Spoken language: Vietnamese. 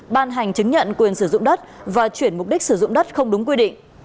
ban hành chứng nhận quyền sử dụng đất và chuyển mục đích sử dụng đất không đúng quy định